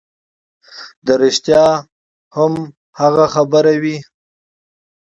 دا رښتیا هم هغه خبرې وې